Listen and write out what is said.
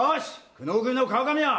久能組の川上や！